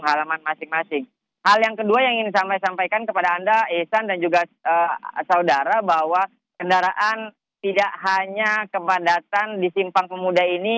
hal yang kedua yang ingin disampaikan kepada anda isan dan juga saudara bahwa kendaraan tidak hanya kepadatan di simpang pemuda ini